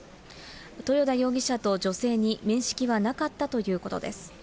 豊田容疑者と女性に面識はなかったということです。